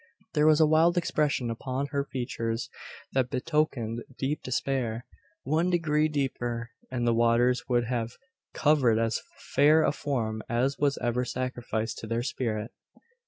There was a wild expression upon her features that betokened deep despair. One degree deeper, and the waters would have covered as fair a form as was ever sacrificed to their Spirit!